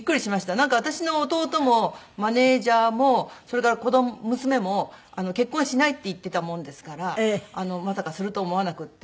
なんか私の弟もマネジャーもそれから娘も結婚しないって言ってたもんですからまさかすると思わなくって。